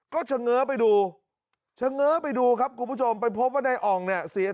ก็เฉง้อไปดูเฉง้อไปดูครับคุณผู้ชมไปพบว่านายอ่องเนี่ยเสีย